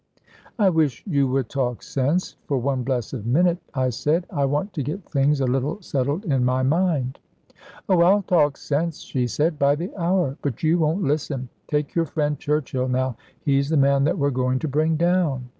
"I wish you would talk sense for one blessed minute," I said; "I want to get things a little settled in my mind." "Oh, I'll talk sense," she said, "by the hour, but you won't listen. Take your friend, Churchill, now. He's the man that we're going to bring down.